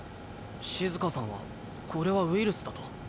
シズカさんはこれはウイルスだと？